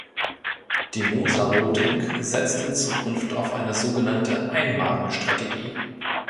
Die Moser Holding setzt in Zukunft auf eine sogenannte Ein-Marken-Strategie.